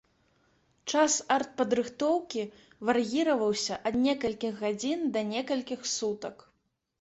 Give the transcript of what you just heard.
Час артпадрыхтоўкі вар'іраваўся ад некалькіх гадзін да некалькіх сутак.